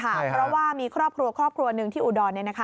เพราะว่ามีครอบครัวหนึ่งที่อุดอน